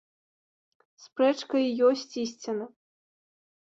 Спрэчка і ёсць ісціна.